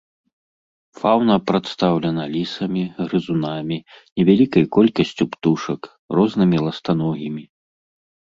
Фаўна прадстаўлена лісамі, грызунамі, невялікай колькасцю птушак, рознымі ластаногімі.